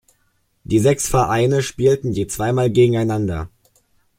Die sechs Vereine spielten je zweimal gegeneinander.